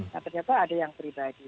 nah ternyata ada yang pribadi